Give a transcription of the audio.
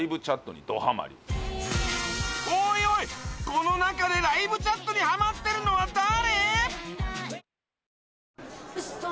この中でライブチャットにハマってるのは誰？